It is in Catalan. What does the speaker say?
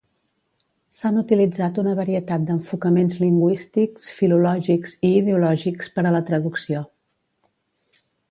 S'han utilitzat una varietat d'enfocaments lingüístics, filològics i ideològics per a la traducció.